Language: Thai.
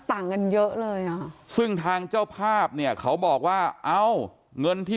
ต่างกันเยอะเลยอ่ะซึ่งทางเจ้าภาพเนี่ยเขาบอกว่าเอ้าเงินที่